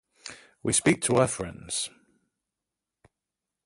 We speak to our friends.